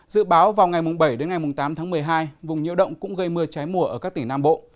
dự báo vào ngày mùng bảy đến ngày mùng tám tháng một mươi hai vùng nhiễu động cũng gây mưa cháy mùa ở các tỉnh nam bộ